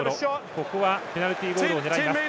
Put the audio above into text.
ここはペナルティゴールを狙います。